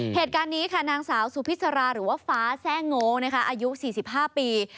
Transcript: เทตการณ์นี้ค่ะนางสาวสู้พิสราหรือฟ้าแส้งงงอายุ๔๕ปี